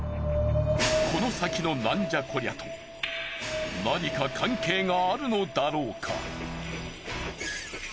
この先のナンじゃこりゃ！？と何か関係があるのだろうか？